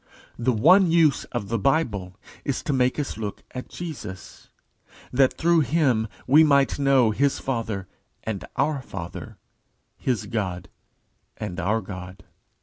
The one use of the Bible is to make us look at Jesus, that through him we might know his Father and our Father, his God and our God.